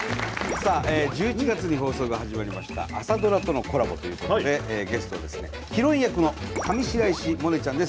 さあ１１月に放送が始まりました朝ドラとのコラボということでゲストはですねヒロイン役の上白石萌音ちゃんです。